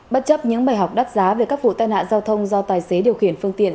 bất chấp những bài học đắt giá về các vụ tai nạn giao thông do tài xế điều khiển phương tiện